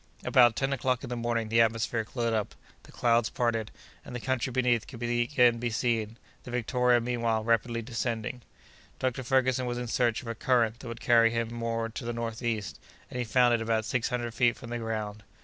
About ten o'clock in the morning the atmosphere cleared up, the clouds parted, and the country beneath could again be seen, the Victoria meanwhile rapidly descending. Dr. Ferguson was in search of a current that would carry him more to the northeast, and he found it about six hundred feet from the ground.